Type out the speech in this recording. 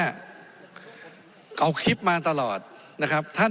ไม่ได้เป็นประธานคณะกรุงตรี